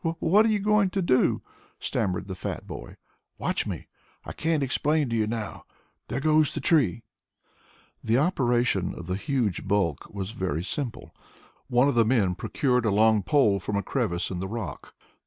"Wha what are you going to do?" stammered the fat boy. "Watch me. I can't explain it to you now. There goes the tree." The operation of the huge bulk was very simple. One of the men procured a long pole from a crevice in the rock.